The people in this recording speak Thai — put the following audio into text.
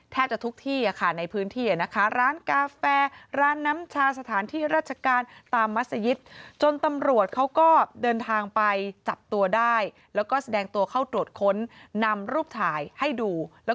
แทบจะทุกที่ค่ะในพื้นที่นะคะร้านกาแฟร้านน้ำชา